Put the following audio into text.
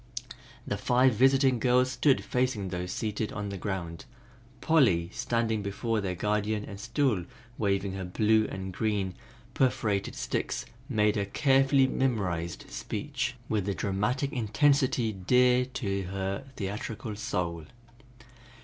The five visiting girls stood facing those seated on the ground; Polly standing before their guardian and still waving her blue and green perforated sticks made her carefully memorized speech with the dramatic intensity dear to her theatrical soul.